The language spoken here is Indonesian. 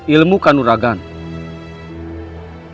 ilmu kanuragan belum begitu mumpuni